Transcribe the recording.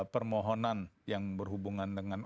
permohonan yang berhubungan dengan